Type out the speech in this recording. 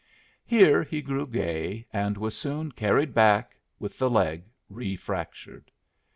Here he grew gay, and was soon carried back with the leg refractured.